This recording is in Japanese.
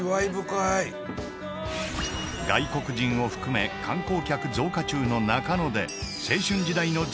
外国人を含め観光客増加中の中野で。